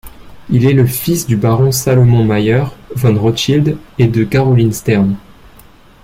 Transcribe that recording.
Il est le fils du baron Salomon Mayer von Rothschild et de Caroline Stern.